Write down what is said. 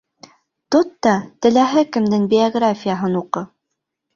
Тот та теләһә кемдең биографияһын уҡы!